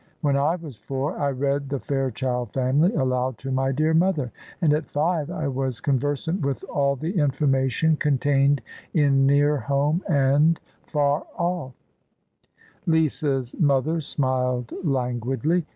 When I was four I read The Fair child Family aloud to my dear mother; and at five I was conversant with all the information contained in Near Home and Far Off Lisa's mother smiled languidly.